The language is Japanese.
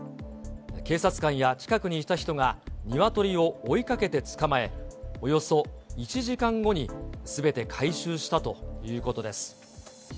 警察官や近くにいた人がニワトリを追いかけて捕まえ、およそ１時間後に、すべて回収したということです。